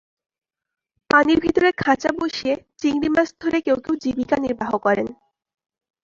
পানির ভিতরে খাঁচা বসিয়ে চিংড়ি মাছ ধরে কেউ কেউ জীবিকা নির্বাহ করেন।